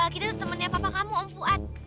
kita tuh temennya papa kamu om fuad